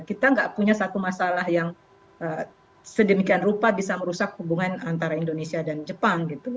kita nggak punya satu masalah yang sedemikian rupa bisa merusak hubungan antara indonesia dan jepang gitu